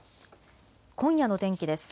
今夜の天気です。